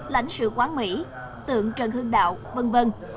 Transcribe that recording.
lãnh sự quán mỹ tượng trần hương đạo v v